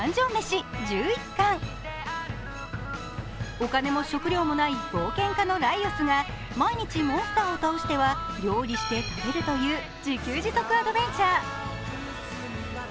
お金も食料もない冒険家のライオスが毎日モンスターを倒しては、料理して食べるという自給自足アドベンチャー。